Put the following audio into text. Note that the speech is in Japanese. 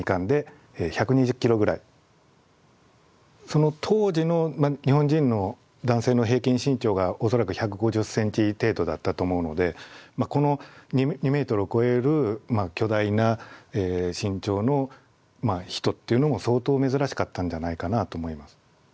その当時の日本人の男性の平均身長が恐らく１５０センチ程度だったと思うのでこの２メートルを超える巨大な身長の人っていうのも相当珍しかったんじゃないかなあと思います。